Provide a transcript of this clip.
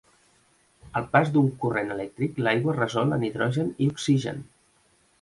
Al pas d'un corrent elèctric, l'aigua es resol en hidrogen i oxigen.